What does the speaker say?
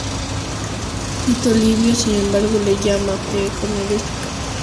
Tito Livio, sin embargo, le llama P. Cornelio Escápula.